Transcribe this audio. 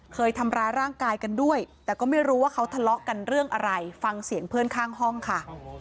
เคยทำร้ายร่างกายกันด้วยแต่ก็ไม่รู้ว่าเขาทะเลาะกันเรื่องอะไรฟังเสียงเพื่อนข้างห้องค่ะ